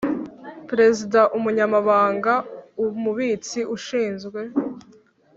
Perezida Umunyamabanga Umubitsi Ushinzwe